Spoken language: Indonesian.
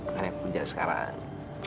karena aku kerja sekarang